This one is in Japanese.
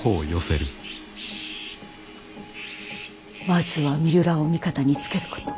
まずは三浦を味方につけること。